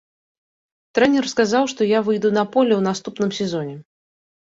Трэнер сказаў, што я выйду на поле ў наступным сезоне.